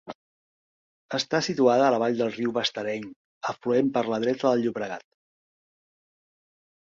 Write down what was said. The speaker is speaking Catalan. Està situada a la vall del riu Bastareny, afluent per la dreta del Llobregat.